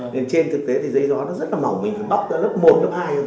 nên trên thực tế thì giấy gió nó rất là mỏng mình phải bóc ra lớp một lớp hai